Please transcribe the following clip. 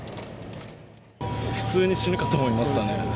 普通に死ぬかと思いましたね。